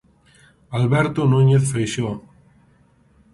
Alberto Núñez Feixóo.